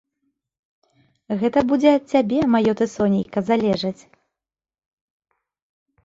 Гэта будзе ад цябе, маё ты сонейка, залежаць.